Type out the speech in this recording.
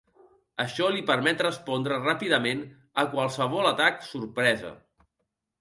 Això li permet respondre ràpidament a qualsevol atac sorpresa.